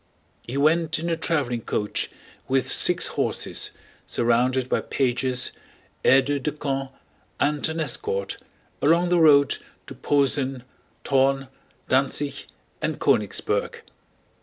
He went in a traveling coach with six horses, surrounded by pages, aides de camp, and an escort, along the road to Posen, Thorn, Danzig, and Königsberg.